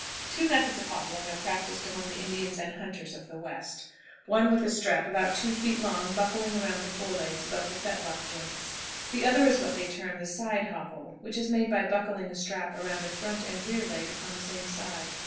Two methods of hoppling are practiced among the Indians and hunters of the West: one with a strap about two feet long buckling around the fore legs above the fetlock joints; the other is what they term the "side hopple" which is made by buckling a strap around a front and rear leg upon the same side.